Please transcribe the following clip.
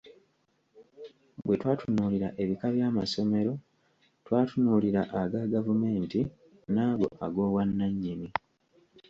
Bwe twatunuulira ebika bya masomero twatunulira aga gavumenti n’ago ag’obwanannyini.